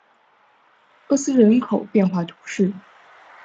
厄斯人口变化图示